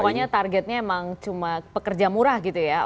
pokoknya targetnya emang cuma pekerja murah gitu ya